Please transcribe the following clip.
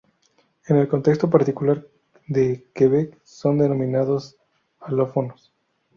En el contexto particular de Quebec, son denominados alófonos.